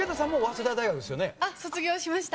あっ卒業しました。